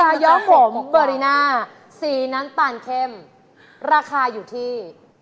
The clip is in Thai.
ย่อผมเบอริน่าสีน้ำตาลเข้มราคาอยู่ที่